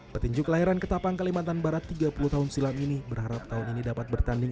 petinju kelahiran ketapang kalimantan barat tiga puluh tahun silam ini berharap tahun ini dapat bertanding